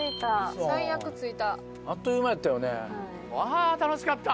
あ楽しかった！